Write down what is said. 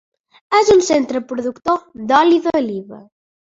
És un centre productor d'oli d'oliva.